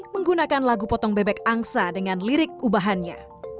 menggunakan lagu potong bebek angsa dengan lirik ubahannya